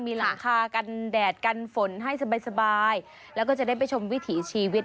มีหลังคากันแดดกันฝนให้สบายแล้วก็จะได้ไปชมวิถีชีวิต